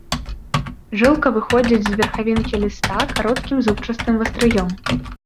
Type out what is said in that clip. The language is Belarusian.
Жылка выходзіць з верхавінкі ліста кароткім зубчастым вастрыём.